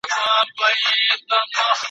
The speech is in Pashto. ټوله لار لېوه د شنه ځنگله کیسې کړې `